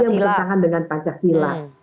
atau ideologi yang bertentangan dengan pancasila